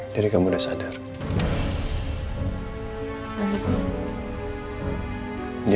berarti kamu sadar kalau kamu salah